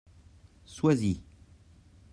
Sois-y.